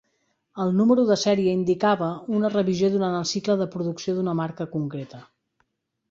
El número de sèrie indicava una revisió durant el cicle de producció d'una marca concreta.